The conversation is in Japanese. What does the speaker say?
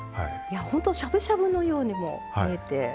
しゃぶしゃぶのようにも思えて。